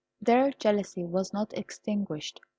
Their jealousy was not extinguished.